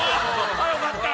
あよかった。